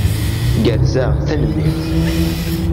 Gerrzeɣ. Tanemmirt.